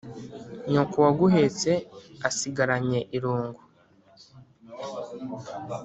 nyoko waguhetse asigaranye irungu